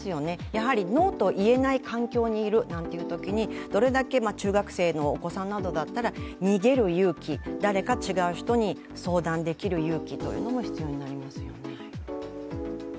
やはりノーと言えない環境にいるというときに、どれだけ中学生のお子さんだったら逃げる勇気、誰か違う人に相談できる勇気というのも必要になりますよね。